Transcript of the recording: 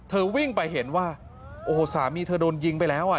วิ่งไปเห็นว่าโอ้โหสามีเธอโดนยิงไปแล้วอ่ะ